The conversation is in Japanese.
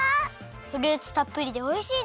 フルーツたっぷりでおいしいです！